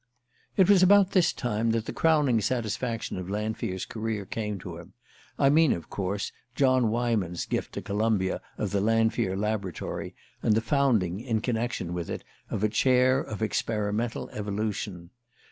It was about this time that the crowning satisfaction of Lanfear's career came to him: I mean, of course, John Weyman's gift to Columbia of the Lanfear Laboratory, and the founding, in connection with it, of a chair of Experimental Evolution.